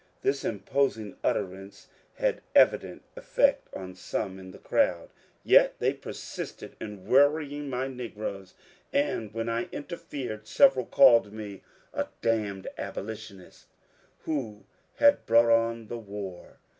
This imposing utterance had evident effect on some in the crowd. Yet they persisted in worrying my negroes, and, when I interfered, several called me ^ a damned abolitionist, who had brought on the war."